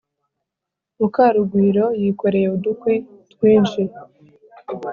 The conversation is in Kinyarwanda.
Mukarugwiro yikoreye udukwi twinshi